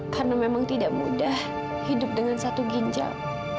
karena memang tidak mudah hidup dengan satu ginjal